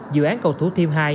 dự án cầu thủ thiêm hai